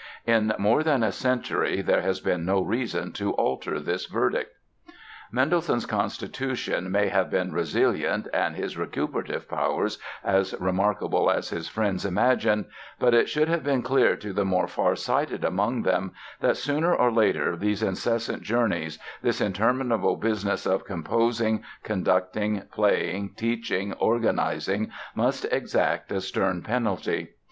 In more than a century there has been no reason to alter this verdict. Mendelssohn's constitution may have been resilient and his recuperative powers as remarkable as his friends imagined, but it should have been clear to the more far sighted among them that sooner or later these incessant journeys, this interminable business of composing, conducting, playing, teaching, organizing must exact a stern penalty.